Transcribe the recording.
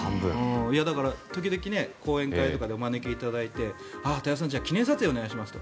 だから時々、講演会とかでお招きいただいて太蔵さん記念撮影をお願いしますと。